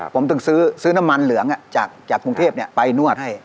ผมต้องซื้อน้ำมันเหลืองจากกรุงเทพไปนวดให้